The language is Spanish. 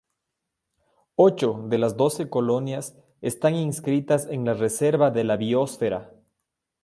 Ocho de las doce colonias están inscritas en la reserva de la Biosfera.